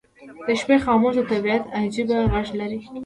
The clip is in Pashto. • د شپې خاموشي د طبیعت عجیب غږ لري.